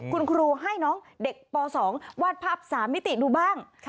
คุณครูให้น้องเด็กป๒วาดภาพ๓มิติดูบ้าง